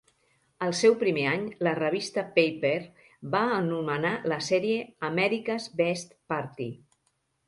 El seu primer any, la revista Paper va anomenar la sèrie "America's Best Party".